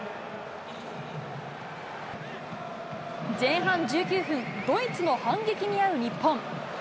前半１９分、ドイツの反撃にあう日本。